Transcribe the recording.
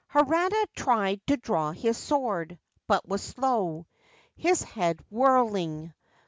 Harada tried to draw his sword, but was slow, his head whirling.